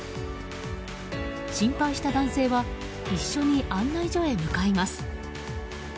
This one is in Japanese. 心配した男性は一緒に案内所へ向かいます。